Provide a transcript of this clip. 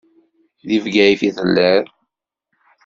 Deg Bgayet i telliḍ.